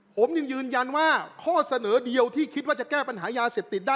ผมยังยืนยันว่าข้อเสนอเดียวที่คิดว่าจะแก้ปัญหายาเสพติดได้